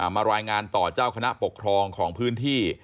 มารายงานต่อเจ้าคณะปกครองของพื้นที่